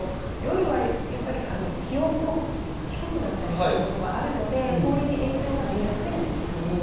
夜は気温も低くなったりということがあるので氷に影響が出やすいんです。